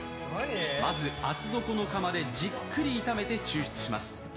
まず厚底の窯でじっくり炒めて抽出します。